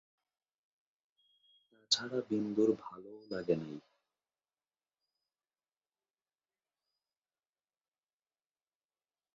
তা ছাড়া বিন্দুর ভালোও লাগে নাই।